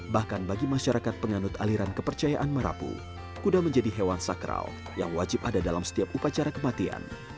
bahkan bagi masyarakat penganut aliran kepercayaan merapu kuda menjadi hewan sakral yang wajib ada dalam setiap upacara kematian